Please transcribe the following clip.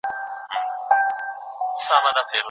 د پخلنځي یخچال ولې خلاص و؟